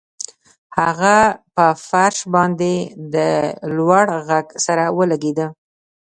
هغه په فرش باندې د لوړ غږ سره ولګیده